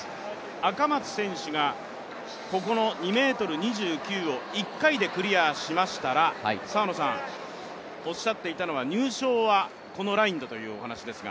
赤松選手がここの２ｍ２９を１回でクリアしましたら、入賞はこのラインだというお話ですが。